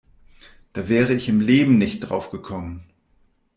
Da wäre ich im Leben nicht drauf gekommen.